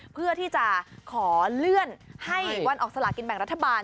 เพื่อที่จะขอเลื่อนให้วันออกสลากินแบ่งรัฐบาล